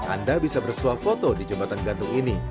anda bisa bersuah foto di jembatan gantung ini